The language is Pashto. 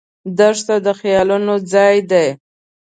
دښته د خیالونو ځای دی.